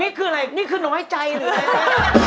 นี่คืออะไรนี่คือน้อยใจหรืออะไรเนี่ย